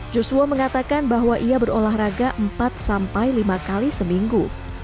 joshua mengatakan bahwa ia berolahraga empat sampai lima kali seminggu